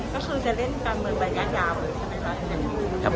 ก็คือจะเล่นการเมืองไปยากยาวใช่ไหมครับ